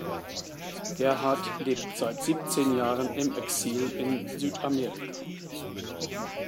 Gerhard lebt seit siebzehn Jahren im Exil in Südamerika.